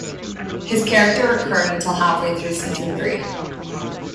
His character recurred until halfway through season three.